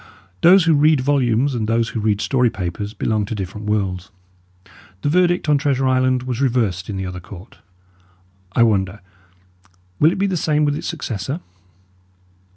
Those who read volumes and those who read story papers belong to different worlds. The verdict on Treasure Island was reversed in the other court; I wonder, will it be the same with its successor?